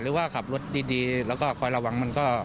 หรือว่าขับรถดีแล้วก็คอยระวังมันก็